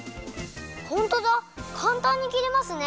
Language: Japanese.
ホントだかんたんにきれますね！